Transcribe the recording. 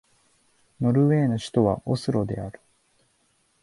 ノルウェーの首都はオスロである